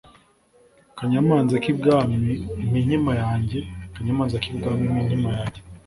‘ kanyamanza k’ibwami mpa inkima yanjye kanyamanza k’ibwami mpa inkima yanjye.’